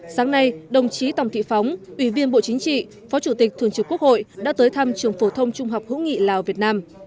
sáng nay đồng chí tòng thị phóng ủy viên bộ chính trị phó chủ tịch thường trực quốc hội đã tới thăm trường phổ thông trung học hữu nghị lào việt nam